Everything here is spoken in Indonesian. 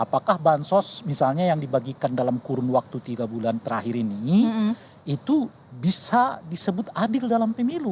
apakah bansos misalnya yang dibagikan dalam kurun waktu tiga bulan terakhir ini itu bisa disebut adil dalam pemilu